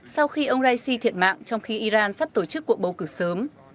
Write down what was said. sau khi ông raisi thiệt mạng trong khi iran sắp tổ chức cuộc bầu cử sớm